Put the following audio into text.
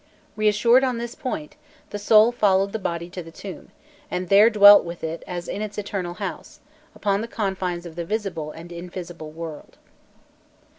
Reassured on this point, the soul followed the body to the tomb, and there dwelt with it as in its eternal house, upon the confines of the visible and invisible worlds.